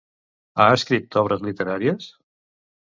Ha escrit obres literàries?